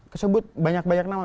disebut banyak banyak nama